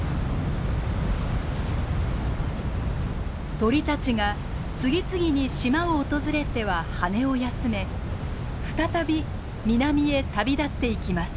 鳥たちが次々に島を訪れては羽を休め再び南へ旅立っていきます。